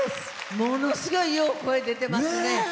ものすごいよう声が出てますね。